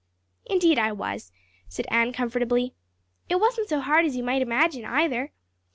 "Indeed I was," said Anne comfortably. "It wasn't so hard as you might imagine, either.